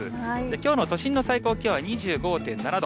きょうの都心の最高気温は２５．７度。